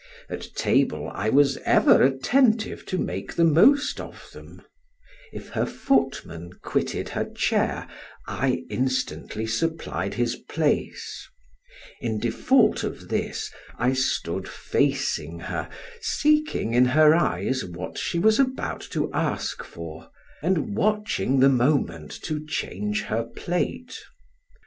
At table I was ever attentive to make the most of them; if her footman quitted her chair, I instantly supplied his place; in default of this, I stood facing her, seeking in her eyes what she was about to ask for, and watching the moment to change her plate.